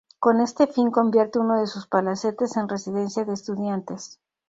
Con este fin convierte uno de sus palacetes en Residencia de estudiantes.